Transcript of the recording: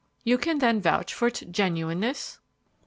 "You can then vouch for its genuineness?"